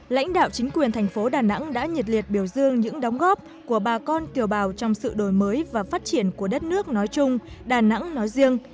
lãnh đạo chính quyền thành phố đà nẵng đã nhiệt liệt biểu dương những đóng góp của bà con kiều bào trong sự đổi mới và phát triển của đất nước nói chung đà nẵng nói riêng